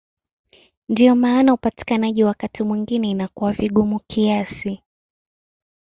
Ndiyo maana upatikanaji wake wakati mwingine inakuwa vigumu kiasi.